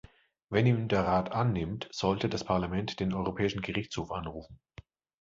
Wenn ihn der Rat annimmt, sollte das Parlament den Europäischen Gerichtshof anrufen.